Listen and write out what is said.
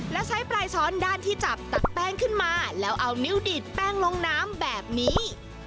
และใช้ปลายช้อนด้านที่จับตักแป้งขึ้นมาแล้วเอานิ้วดีดแป้งลงน้ำแบบนี้